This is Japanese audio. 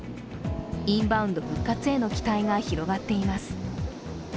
インバウンド復活への期待が広がっています。